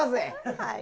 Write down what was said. はい。